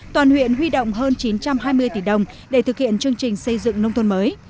toàn huyện huy động hơn chín trăm hai mươi tỷ đồng để thực hiện chương trình xây dựng nông thôn mới